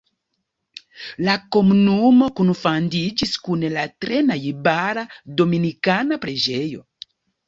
La komunumo kunfandiĝis kun la tre najbara Dominikana preĝejo.